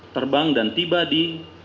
terbang dan tiba di